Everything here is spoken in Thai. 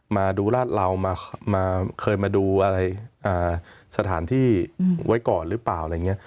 มาดูลาดเหลามาเคยมาดูสถานที่ไว้ก่อนรึเปล่าอะไรอย่างเงี้ย